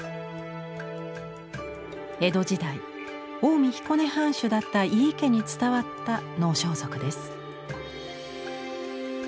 江戸時代近江彦根藩主だった井伊家に伝わった能装束です。